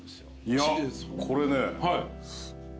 いやこれね。